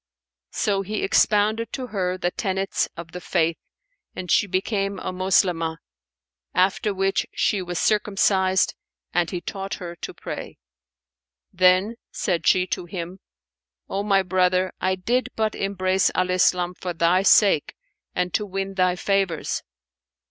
So he expounded to her the tenets of the Faith, and she became a Moslemah, after which she was circumcised[FN#486] and he taught her to pray. Then said she to him, "O my brother, I did but embrace Al Islam for thy sake and to win thy favours."